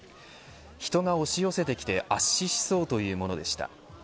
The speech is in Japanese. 人が押し寄せてきて圧死しそうというものでした。